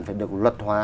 phải được luật hóa